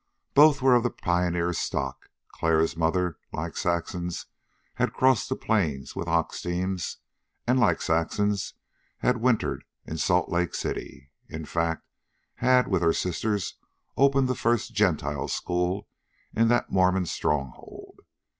Both were of the pioneer stock. Clara's mother, like Saxon's, had crossed the Plains with ox teams, and, like Saxon's, had wintered in Salt Intake City in fact, had, with her sisters, opened the first Gentile school in that Mormon stronghold.